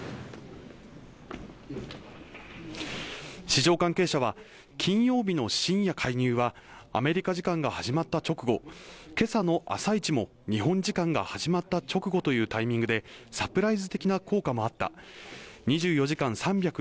市場関係者は金曜日の深夜介入はアメリカ時間が始まった直後けさの朝一も日本時間が始まった直後というタイミングでサプライズ的な効果もあった２４時間３６５日